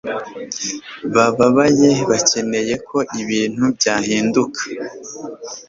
bababaye bakeneye ko ibintu byahinduka